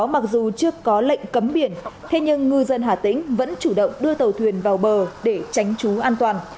mặc dù chưa có lệnh cấm biển thế nhưng ngư dân hà tĩnh vẫn chủ động đưa tàu thuyền vào bờ để tránh trú an toàn